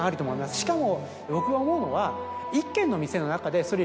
しかも僕が思うのは。